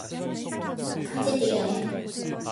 漢字っていいよね